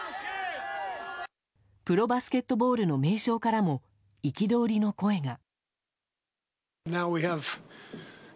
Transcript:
プロバスケットボールの名将からも憤りの声が。